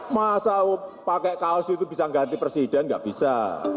masa pakai kaos itu bisa ganti presiden nggak bisa